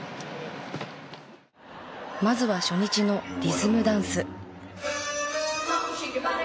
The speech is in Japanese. まずは初日のリズムダンス。